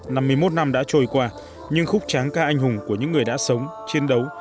năm mươi một năm đã trôi qua nhưng khúc tráng ca anh hùng của những người đã sống chiến đấu